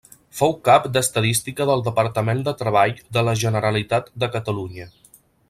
Fou cap d'estadística del Departament de Treball de la Generalitat de Catalunya.